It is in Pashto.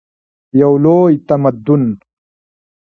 یو لوی تمدن.